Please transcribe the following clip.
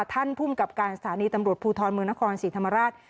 ท่านภูมิกับการสถานีตำรวจภูทรเมืองนครศรีธรรมราช